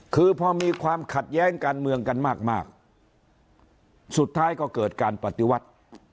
คือพอมีความขัดแย้งการเมืองกันมากสุดท้ายก็เกิดการปฏิวัติ